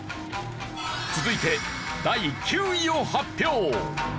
続いて第９位を発表。